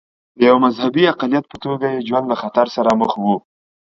د یوه مذهبي اقلیت په توګه یې ژوند له خطر سره مخ و.